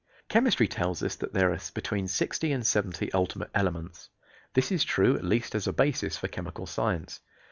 Chemistry tells us that there are between sixty and seventy ultimate elements. This is true at least as a basis for chemical science.